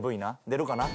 出るかな？」